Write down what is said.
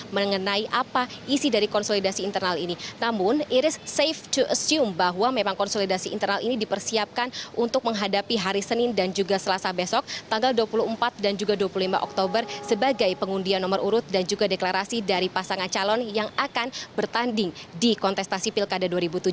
mengenai apa isi dari konsolidasi internal ini namun iris safe to asum bahwa memang konsolidasi internal ini dipersiapkan untuk menghadapi hari senin dan juga selasa besok tanggal dua puluh empat dan juga dua puluh lima oktober sebagai pengundian nomor urut dan juga deklarasi dari pasangan calon yang akan bertanding di kontestasi pilkada dua ribu tujuh belas